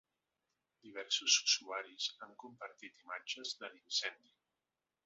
Diversos usuaris han compartit imatges de l’incendi.